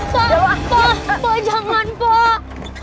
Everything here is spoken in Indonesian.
pak pak pak jangan pak